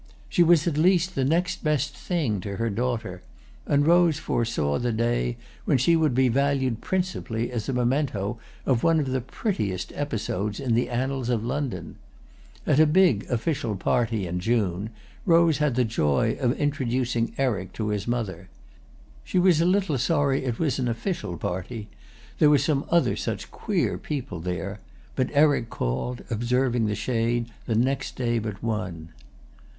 She was at least the next best thing to her daughter, and Rose foresaw the day when she would be valued principally as a memento of one of the prettiest episodes in the annals of London. At a big official party, in June, Rose had the joy of introducing Eric to his mother. She was a little sorry it was an official party—there were some other such queer people there; but Eric called, observing the shade, the next day but one.